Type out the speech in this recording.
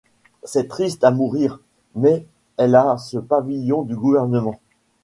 C'est triste à mourir, mais elle a ce pavillon du gouvernement.